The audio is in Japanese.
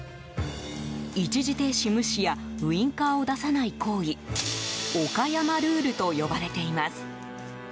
一時停止無視やウィンカーを出さない行為岡山ルールと呼ばれています。